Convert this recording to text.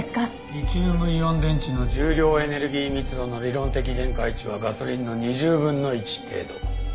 リチウムイオン電池の重量エネルギー密度の理論的限界値はガソリンの２０分の１程度。